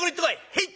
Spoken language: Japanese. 「へい！」。